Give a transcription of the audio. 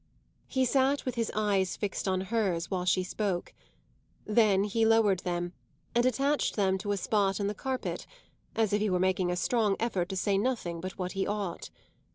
He sat with his eyes fixed on hers while she spoke; then he lowered them and attached them to a spot in the carpet as if he were making a strong effort to say nothing but what he ought.